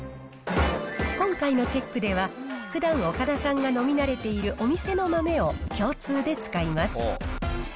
今回のチェックでは、ふだん、岡田さんが飲み慣れているお店の豆を共通で使います。